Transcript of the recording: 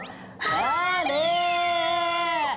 あれ！